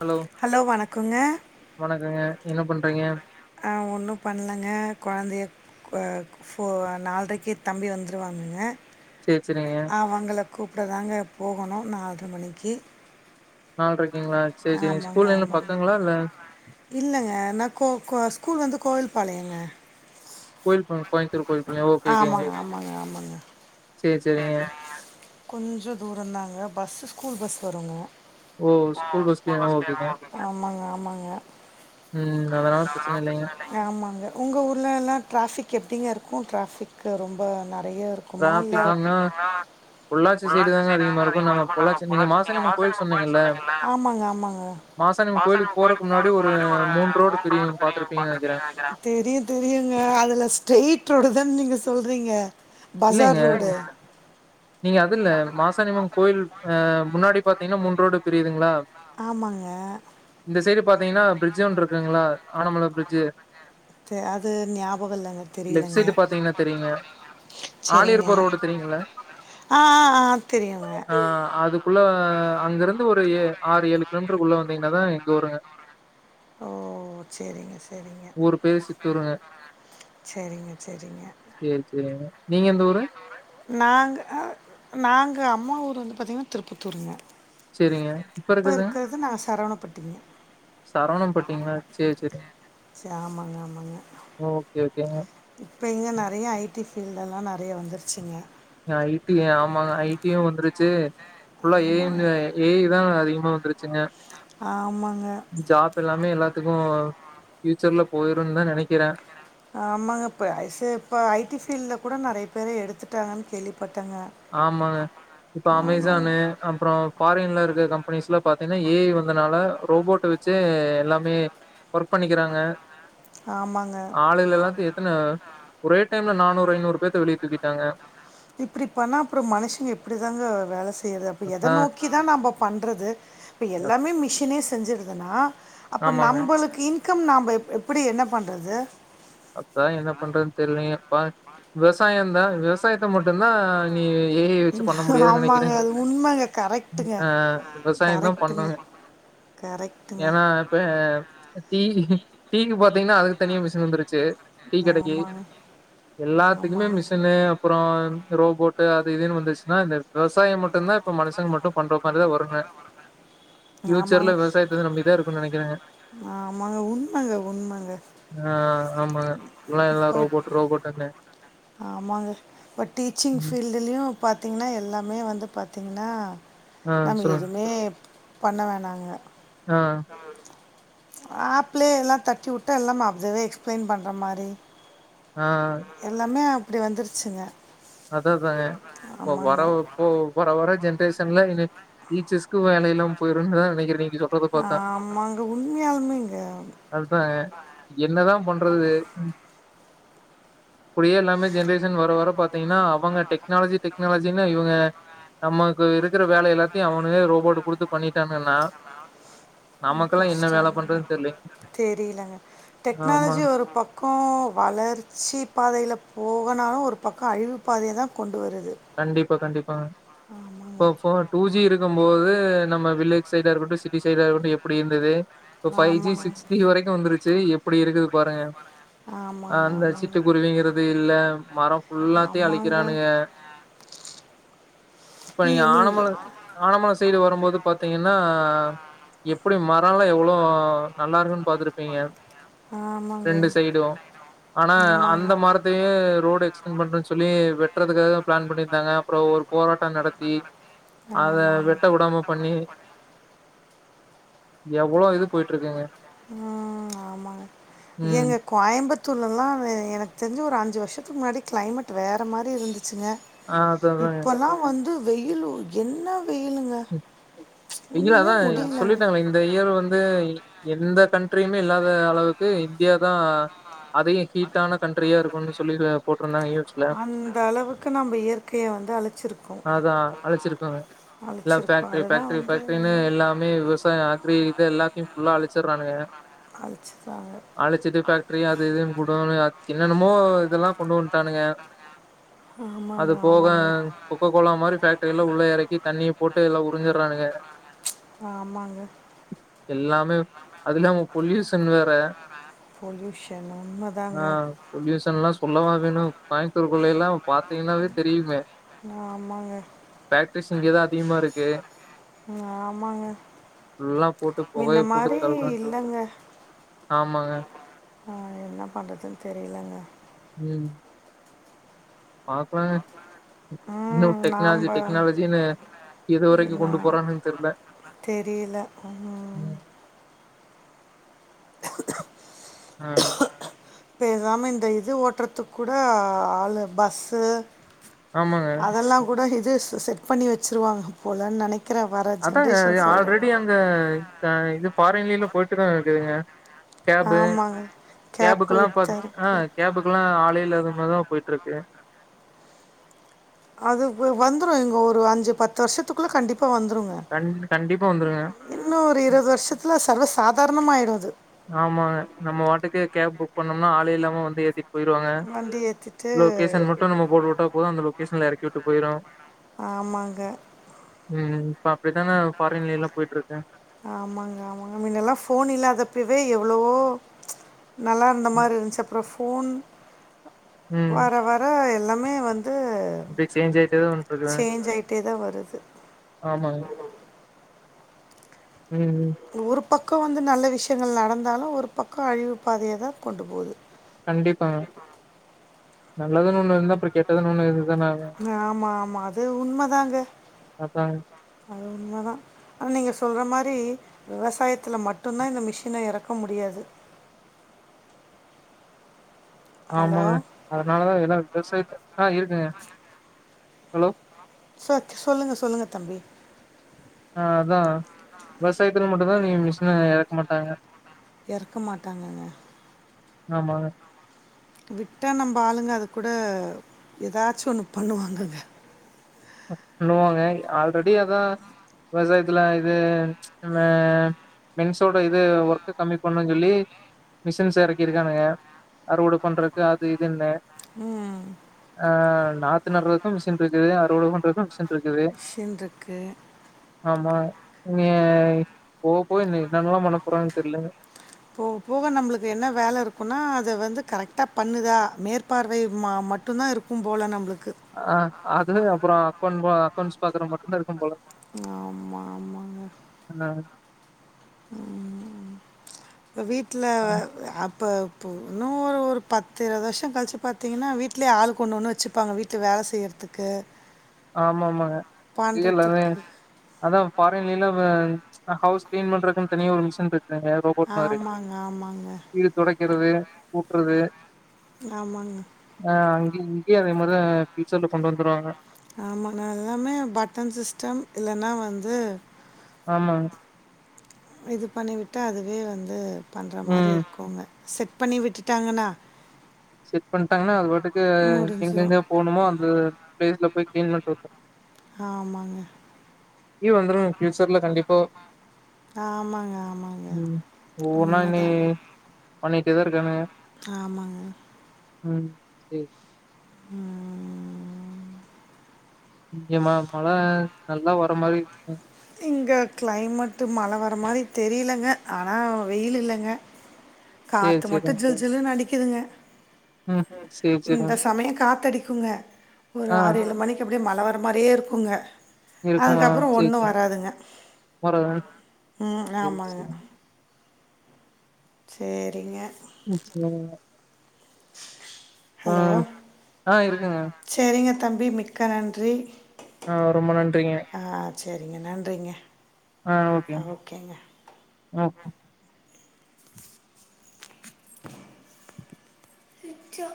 Hello hello வணக்கோங்க வணக்கங்க என்ன பண்றீங்க நா ஒன்னு பண்ணலங்க கொழந்தைய அ போர் நால்ரைக்கே தம்பி வந்துருவாங்கங்க சேரி சேரிங்க அவுங்கள கூப்புட தாங்க போகணு நால்ர மணிக்கி நால்ரைக்குங்களா சேரி சேரிங்க ஸ்கூல் என்ன பக்கோங்ளா இல்ல இல்லங்க நா கோ கோ ஸ்கூல் வந்து கோவில் பாளையங்க கோயில் பாளைய கோய்ம்த்தூர் கோயில் பாளைய ஓகே ஒகேங்க செரி செரிங்க கொஞ்ச தூரோந்தாங்க பஸ்ஸு ஸ்கூல் பஸ் வருங்க ஓ ஸ்கூல் பஸ்லயா ஓகேங்க ஆமாங்க ஆமாங்க ம் சேரிங்கா அதனால பிரச்சன இல்லைங்க ப்ரச்சன இல்லை ஆமாங்க உங்க ஊர்லலா ட்ராஃபிக் எப்டிங்க இருக்கு ட்ராஃபிக்கு ரொம்ப நறைய இருக் குமா இல்ல டிராபிக்னா பொள்ளாச்சி சைடு பொல்லாச்சி தாங்க சைட் [unintelligible] அதிகமா இருக்கு நாங்க பொள்ளாச்சி பொல்லாச்சி நீங்க மாசாணியம்மன் மாசானிம்மா கோயில் சொன்னீங்கல்ல சொன்னிங்களே மாசனிம்மா கோயிலுக்கு போறக்கு முன்னாடி ஒரு மூன் ரோடு பிரியு பாத்துருப்பீங்க நெனைக்கிறே தெரியு தெரியுங்க அதுல ஸ்ட்ரைட் ரோடு தானே நீங்க சொல்றீங்க இல்லைங்க பசார் ரோடு நீங்க அது இல்ல மாசனிம்மா கோயில் ஆ முன்னாடி பாத்தீங்கன்னா மூன் ரோடு பிரியுதுங்களா ஆமாங்க இந்த சைடு பாத்தீங்கன்னா பிரிட்ஜ் ஒன்னு இருக்குங்களா ஆனமல பிரிட்ஜு தெ அது ஞாபக இல்லைங்க தெரியலங்க செரிங்க ஆலியர்பர் ரோடு தெரியுங்களே ஆ ஆ ஆ தெரியுங்க ஆ அதுக்குள்ள அங்க இருந்து ஒரு ஆறு ஏழு கிலோமீட்டருக்குள்ள வந்தீங்கன்னா தா எங்க ஊருங்க [unintelligible] ஓ சரிங்க சரிங்க ஊர் பேரு சித்தூருங்க. சரிங்க சரிங்க சேரி சரிங்க நீங்க எந்த ஊரு நாங்க அ நாங்க அம்மா ஊர் வந்து பாத்திங்கன்னா திருப்பத்தூருங்க செரிங்க. இப்ப இருக்கறது நா சரவணப்பட்டிங்க சரவணம் பட்டீங்களா சேரி சேரி சரி ஆமாங்க ஓகே ஓகேங்க இப்ப இங்க நெறைய ஐடி ஃபீல்டெல்லா நெறைய வந்துருச்சுங்க ஐடி ஆமாங்க ஐடியு வந்துருச்சு ஃபுல்லா ஏ ஐ ஆமாங்க ங்க ஏ ஐ தா அதிகமா வந்துருச்சுங்க ஆமாங்க ஜாப் எல்லாமே எல்லாத்துக்கும் ஃபியூச்சர்ல போயிருன் தா நெனைக்கிறே ஆமாங்க இப்போ ஐ ச இப்போ ஐ டி ஃபீல்ட்ல் கூட நெறைய பேர எடுத்துட்டாங்கன்னு கேள்விப்பட்டேங்க ஆமாங்க இப்ப ஆ அமேசானு அப்புறோ ஃபாரின்ல இருக்க கம்பெனிஸ்ல பாத்தீங்கன்னா ஏ இ வந்தனால ரோபோட்டு வெச்சே எல்லாமே ஒர்க் பண்ணிக்கிறாங்க ஆமாங்க ஆளுகள எல்லாத்து எத்தன ஒரே டைம்ல நானூறு ஐநூறு பேத்த வெளிய தூக்கிட்டாங்க இப்டி பண்ணா அப்புறோ மனுஷங்க எப்டிதாங்க வேல செய்யறது அப்ப எத அதா நோக் கிதா நம்ப பண்றது இப்ப எல்லாமே மிஷினே செஞ்சடுதுன்னா அப்ப ஆமாங்க நம்பளுக்கு இன்கம் நாப எப்டி என்ன பண்றது அப்ப என்ன பண்றதுன்னு தெரிலயே அப்பா விவசாய தா விவசாயத்த மட்டுதா இனி ஏ ஐ வெச்சு பண்ண முடியாதுன்னு நெனைக்கிறே ஆமாங்க. அது உண்மங்க. கரெக்ட்டுங்க. ஆ விவசாய தா கரெக்ட்டுங்க. பண்ணுங்க கரெக்ட்டுங்க. ஏன்னா இப்ப டீ டீக்கு பாத்தீங்கன்னா அதுக்கு தனியா மிஷின் வந்துருக் கு டீ கடைக்கி ஆமாங்க. எல்லாத்துக்குமே ஆமாங்க. மிஷின்ல யே அப்புறோ ரோபோட்டு அது இதுன்னு வந்துச்சுன்னா இந்த விவசாய மட்டுதா இப்ப மனுஷங்க மட்டு பண்ற மாரிதா வருங்க ஆமாங்க. ஃபியூச்சர்ல விவசாயத்த வந்து நம்பிதா இருக் குன் நெனைக்கிறேங்க ஆமாங்க உண்மங்க உண்மங்க ஆ ஆமாங்க எல்லா எல்லா இப்ப ரோபோட் ரோபோட்டுன்னு ஆமாங்க பட் டீச்சிங் ஃபீல் டுலயு பாத்தீங்கன்னா எல்லாமே வந்து பாத்தீங்கன்னா ஆ நம்ம சொல்லுங்க. எதுவுமே பண்ண வேணாங்க ஆ ஆப்ளே எல்லா தட்டி வுட்டா எல்லா [unintelligible] எக்ஸ்பிளைன் பண்ற மாரி ஆ எல்லாமே அப்புடி வந்துருச்சுங்க அததங்க வ ஆமாங்க வரவு இப்ப வர வர ஜென்ரேஷன்ல இனி டீச்சஸ்கு வேலையில்லாம போயிருன்னுதா நெனைக்க [unintelligible] ஆமாங்க உண்மையாலுமேங்க அதுதாங்க என்னதா பண்றது அப்படியே எல்லாமே ஜென்ரேஷன் வர வர பாத்தீங்கன்னா அவுங்க டெக்னாலஜி டெக்னாலஜின்னு இவுங்க நமக்கு இருக்கற வேலை எல்லாத்தையு அவனுக ரோபோட்டு குடுத்து பண்ணிட்டானுகன்னா கஷ்டங்க பண்றதுன்னு தெரியலங்க. தெரியலங்க ஆமா. டெக்னாலஜி ஒரு பக் கோ வளர்ச்சி பாதையிலே போகனாலு ஒரு பக்க அழிவு பாதைய தா கொண்டு வருது கண்டிப்பா கண்டிப்பா ஆமாங்க இப்போ டூ ஜி இருக்கம் போது நம்ம வில்லேஜ் சைடா இருக்கட்டு சிட்டி சைடா இருக்கட்டு‌ எப்படி இருந்தது இப்ப ஃபைவ் ஜி சிக்ஸ் ஆமாங்க ஜி வரைக்கு வந்துருச்சி எப்புடி இருக்குது பாருங்க அ ஆமாங்க அந்த ஆமாங்க சிட்டு குருவிங்கறது இல்ல மரம் ஃபுல்லாத்தையு ஆமாங்க அழிக்கிறானுங்க இப்ப நீங்க ஆனமல ஆனமல சைடு வரும்போது பாத்தீங்கன்னா எப்படி மரம்ல்லா எவ்ளோ நல்லா இருக்குன்னு பாத்து இருப்பீங்க ஆமா ரெண்டு சைடு ஆனா அந்த மரத் ரோடு எக்ஸ்டெண்ட் பண்றன்னு சொல்லி வெட்டுறதுக்காகா பிளான் பண்ணிருந்தாங்க அப்புறம் ஒரு போராட்டோ நடத்தி அத வெட்ட ஆமாங்க வுடாம பண்ணி எவ்ளோ இது போயிட்டு இருக்குங்க ம் ஆமாங்க ம் எங்க கோயம்புத்தூர்லல்லா எனக்கு தெரிஞ்சி ஒரு அஞ்சு வருஷத்துக்கு முன்னாடி கிளைமேட் வேற மாரி இருந்துச்சுங்க ஆ அததாங்க இப்பவ்லா வந்து வெயிலு என்ன வெயிலுங்க வெகிலா த ஒண்ணுமே முடியலங்க. சொல்லிடாங்களே இந்த இயர் வந்து எந்த கண்ட்ரியுமே இல்லாத அளவுக்கு இந்தியாதா அதையும் ஹீட்டான கண்ட்ரியா இருக்குன் சொல்லி போட்டிருந்தாங்க யூ அந்த அளவுக்கு நம்ப இயற்கைய வந்து அழிச்சிர்கோ ல்லா பேக்டிரி பேக்டிரி பேக்டிரின்னு எல்லாம் மே விவசாயோ அக்ரி இது எல்லாத்தையு புல்லா அழிச்சுற்றானுங்க அழ்சித்தா அழிச்சிட்டு பேக்ட்ரி அது இதுன்னு கூடோன்னு என்னன்னமோ இதெல்லா கொண்டு வந்டானுங்க ஆமாங்க ஆமாங்க கொக்கோக்கோலா மாரி பேஃக்ட்ரியெல்லா உள்ள எறக்கி தண்ணி போட்டு எல்லா உறிஞ்சிற்றானுங்க ஆமாங்க எல்லாமே அது இல்லாம பொல்யூசன் வேற பொல்யூஷன் உண்மதாங் அ பொல்யூசன்ல்லா சொல்லவா வேணு கோயம்பத்தூர் குள்ளையெல்லா பாத் தீங்கன்னாவே தெரியுமே ஆமாங்க, ஃபேக்ட்ரீஸ் இங்க தா அதிகமா இருக்கு ஆமாங்க. நல்லா போட்டு புகைய முன்ன போட்டு மாரி தள்றா இல்லங்க. ஆமாங்க ஆ என்ன பண்றதுன் தெரிலங்க ம் பார்க்கலாங்க இன்னு ம் நாம் டெக்னாலஜி டெக்னாலஜின்னு எதுவரைக்கு என்ன கொண்டு போறாங்கன்னு தெர்ல ம் ஆ பேசாம இந்த இது ஓட்றதுக் கூட ஆளு பஸ்சு ஆமாங்க அதலாம் கூட இது செ செட் பண்ணி வச்சிருவாங்க போல நனைக் க்கிற வர ஜென்ரேஷன் சொல்ற ங்க இது க ஃபாரின்லெல்லாம் போயிட்டு தான் இருக்குதுங்க கேபு ஆமாங்க கேப் கேபுக்கெல்லாம் போயிட்டு பார்த் தான் அ இருக்குது கேபுக் கெல்லா ஆளேயில்லாத மார் தான் போயிட்டுருக்கு அது வந்துரும் இங்க ஒரு அஞ்சு பத்து வருஷத்துக்குள்ள கண்டிப்பா வந்துருங்க கண் கண்டிப்பா வந்துருங்க இன்னும் ஒரு இருவது வருஷத்துல சர்வ சாதாரணமாயிடும் அது ஆமாங்க நம்ம வாட்டுக்கு கேப் புக் பண்ணோம்னா ஆளே இல்லாம வந்து ஏத்தி போயிருவாங்க வண்டி ஏத்திட்டு லொகேஷன் மட்டும் நம்ம போட்டு வுட்ட போதும் அந்த லொகேஷன்ல எறக்கி வுட்டு போயிரும் ஆமாங்க ம் இப்ப அப்டித்தான ஃபாரின்ல எல்லாம் போயிட்டு இருக்கு ஆமாங்க ஆமாங்க முன்னலா ஃபோன் இல்லாத அப்பவே எவ்ளவோ நல்லா இருந்த மாரி இருந்துச்சு அப்றோ ஃபோன் ம் வர வர வ எல்லாமே வந்து இப்டி சேஞ்ச் ஆயிட்டே வந்ட்ருக்குங்க சேஞ்ச் ஆயிட்டே தா வருது ஆமாங்க ம் ம் ஒரு பக்கம் வந்து நல்ல விஷ்யங்கள் நடந்தாலும் ஒரு பக்கம் அழிவு பாதய தான் கொண்டு போது கண்டிப்பாங்க நல்லதுன் ஒண்ணு இருந்தா அப்ற கெட்டதுன் ஒண்ணு இருந்தன ஆகனு ம் ஆமா ஆமா அது உண்மதாங்க அதாங்க அது உண்மதா ஆனா நீங்க சொல்ற மாரி விவசாயத்ல மட்டுந்தான் இந்த மிஷின எறக்க முடியாது ஹலோ ஆமாங்க அதனால தான் எல்லாம் விவசாயத்த ஆ இருக்கங்க ஹலோ சத் சொல்லுங்க சொல்லுங்க தம்பி ஆ அதான் விவசாயத்ல மட்டும் தான் இவிய்ங்க மிஷின எறக்க மாட்டாங்க எறக்க மாட்டாங்கங்க ஆமாங்க விட்டா நம்ப ஆளுங்க அது கூட ஏதாச்சு ஒன்னு பண்ணுவாங்கங்க பண்ணுவாங்க இல்ல ஆல்ரெடி அதான் வெவசாயத்துல இது நம்ம மென்ஸோட இது ஒர்க்க கம்மி பண்ணும் சொல்லி மிஷின்ஸ எறக்கிருக்காங்க அறுவட பண்றது அது இதுன்னு ம் ஆ நாத்து நடுறதுக்கு மிஷின் இருக்குது அறுவட பண்றதுக்கு மிஷின் இருக்குது மிஷின்ட்ருக்கு ஆமா இனி போக போ என்னென்னல்லாம் பண்ணப்போறாங்கன் தெர்ல போக போக நம்ளுக்கு என்ன வேல இருக்குனா அத வந்து கரெக்டா பண்ணுதா மேற்பார்வை ம மட்டும் தான் இருக் க்கும் போல நம்ளுக்கு ஆ அது அப்றோம் அக்கவுண் அக்கௌண்ட்ஸ் பாக்குற மட்டும்தான் இருக்கும் போல ஆமா ஆமாங்க என்னங்க ம் ம் இப்ப வீட்ல்ல அப்ப இப்போ இன்னும் ஒரு ஒரு பத்து இருவது வருஷம் கழிச்சு பார்த்தீங்கன்னா வீட்லயே ஆளுக்கு ஒன்னு ஒன்னு வச்சுப்பாங்க வீட்டு வேல செய்ரதுக்கு ஆமா மாங்க இது எல்லாமே பண்ணுறதுக்கு அதா பாரின்லீலா வெ ச் ஹவ்ஸ் க்ளீன் பண்றக்குன் தனியா ஒரு மிஷின் இருக்குலீங்க ரோ போட்னாரு ஆமாங்க ஆமாங்க வீடு தொடைக்கிறது கூட்றது ஆமாங்க ஆ அங்கய் இங்யே அதே மாரிதா ஆ ஃப்யூச்சர்ல கொண்டு வந்துருவாங்க ஆமாங்க எல்லாமே பட்டன் சிஸ்டம் இல்லனா வந்து ஆமாங்க இது பண்ணிவிட்டா அதுவே வந்து பண்ற மாரி ம் இர்க்குங்க. செட் பண்ணி விட்டுட்டாங்கன்னா செட் பண்ட்டாங்னா அது பாட்டுக்கு முடிஞ்சிடும் எங்கெங்க போணுமோ அந்த பிளேஸ்ல போய் கிளீன் பண்ட்டு வந்ரு ஆமாங்க ஈ வந்துரோ ஃபியூச்சர்ல கண்டிப்பா ஆமாங்க ஆமாங்க ம் ஓனா நீ உண்மைதாங்க பன்னிட்டேதா இருக்கானு ஆமாங்க ம் சேரி ம்ம்ம்ம் ஏம்மா மழ நல்லா வர மாரி ம் இங்க க்ளைமேட்டு மழ வர்ர மாரி தெரியுலங்க ஆனா வெயில் இல்லங்க சேரி காத்து மட்டு சேரிங் ஜில் ஜில்லுனு அடிக்குதுங்க ம் சேரி இந்த சேரிங் சமயோ காத்தடிக்குங்க ஒரு ஆ ஆரேலு மணிக் எப்டியோ மழ வர மாரியே இருக்குங்க இருக்குமா அதுக்கப்புறோ சேரி ஒண்ணோ சேரி வராதுங்க வர்றேன் ம் சேரி ஆமாங்க சேரி சேரிங்க ம் சேரி ஹலோ ஆ இருக்குங்க செரிங்க தம்பி மிக்க நன்றி ஆ ரொம்ப நன்றிங்க ஆ சேரிங்க நன்றிங்க ஆ ஓகேங்க ஓ நித்யா